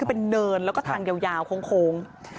เป็นเนินแล้วทางยาวโค้ง